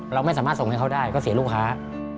เราไม่สามารถส่งให้เขาได้ก็เสียลูกค้า